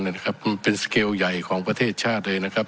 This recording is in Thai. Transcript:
ความละคมทั้งนั้นนะครับมันเป็นสเกลใหญ่ของประเทศชาติเลยนะครับ